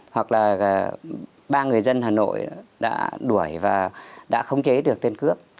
hoặc là ba người dân hà nội đã đuổi và đã khống chế được tên cướp